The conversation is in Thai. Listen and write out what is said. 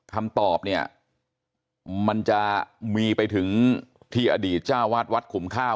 คำตอบเนี่ยมันจะมีไปถึงที่อดีตเจ้าวาดวัดขุมข้าว